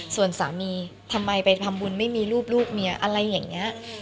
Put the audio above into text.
ส่วนสามีทำไมไปทำบุญไม่มีรูปลูกเมียอะไรอย่างนี้